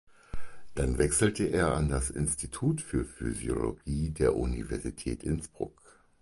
Dann wechselte er an das Institut für Physiologie der Universität Innsbruck.